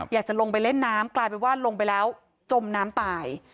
อยากจะลงไปเล่นน้ำกลายเป็นว่าลงไปแล้วจมน้ำตาย